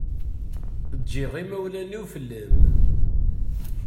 Ǧǧiɣ imawlan-iw fell-am.